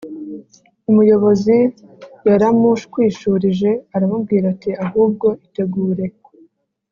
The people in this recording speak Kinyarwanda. Umuyobozi yaramushwishurije aramubwira ati: “Ahubwo itegure